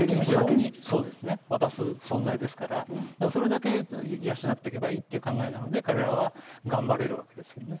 渡す存在ですから、それだけ養っていけばいいという考えなので、彼らは頑張れるわけですよね。